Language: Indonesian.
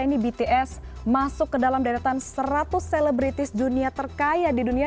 ini bts masuk ke dalam deretan seratus selebritis dunia terkaya di dunia